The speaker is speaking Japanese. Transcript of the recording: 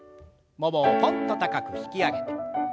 ももをとんっと高く引き上げて。